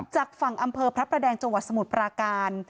จากฝั่งอำเภอพระประแดงจังหวัดสมุทรปราการ